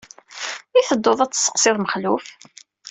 I tedduḍ ad tesseqsiḍ Mexluf?